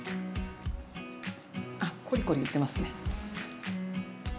あコリコリいってますね。